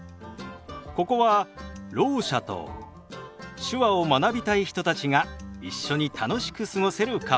ここはろう者と手話を学びたい人たちが一緒に楽しく過ごせるカフェ。